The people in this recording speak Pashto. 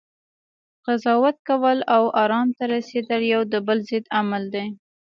قضاوت کول، او ارام ته رسیدل یو د بل ضد عمل دی